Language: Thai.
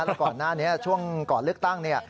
แล้วก่อนหน้านี้ช่วงก่อนเลือกตั้งเนี่ย